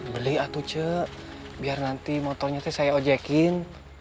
beli atu cek biar nanti motornya teh saya ojekin